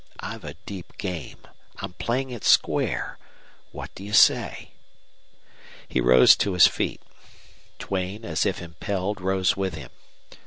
I've a deep game. I'm playing it square. What do you say?" He rose to his feet. Duane, as if impelled, rose with him.